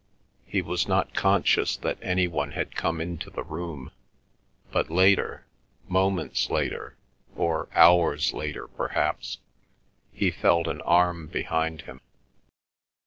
He was not conscious that any one had come into the room, but later, moments later, or hours later perhaps, he felt an arm behind him.